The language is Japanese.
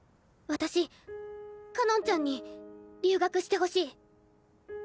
私かのんちゃんに留学してほしい。